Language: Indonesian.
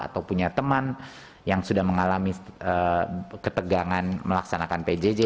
atau punya teman yang sudah mengalami ketegangan melaksanakan pjj